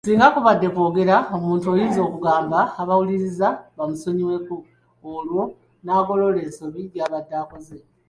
Singa kubadde kwogera omuntu oyinza okugamba abawuliriza bamusonyiweko olwo n’agolola ensobi gy’abadde akoze.